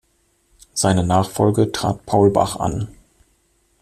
Seine Nachfolge trat Paul Bach an.